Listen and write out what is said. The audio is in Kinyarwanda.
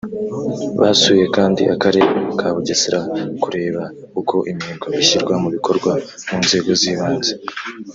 Basuye kandi Akarere ka Bugesera kureba uko Imihigo ishyirwa mu bikorwa mu nzego z’ibanze